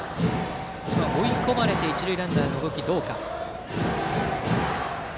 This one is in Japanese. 追い込まれて一塁ランナーの動きがどうか。